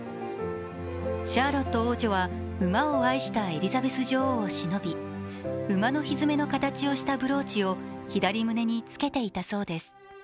シャーロット王女は馬を愛したエリザベス女王をしのび、馬のひづめの形をしたブローチを左胸につけていたそうです。